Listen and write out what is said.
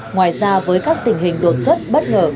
ngoài ra với các tình hình đột xuất bất ngờ